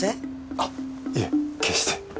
あっいえ決して。